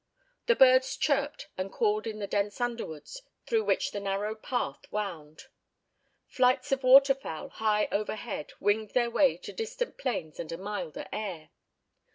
The birds chirped and called in the dense underwoods through which the narrow path wound. Flights of water fowl high overhead winged their way to distant plains and a milder air.